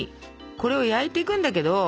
これを焼いていくんだけど。